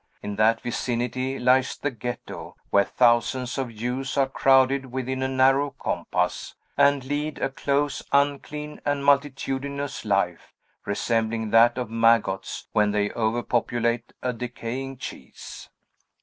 In that vicinity lies the Ghetto, where thousands of Jews are crowded within a narrow compass, and lead a close, unclean, and multitudinous life, resembling that of maggots when they over populate a decaying cheese.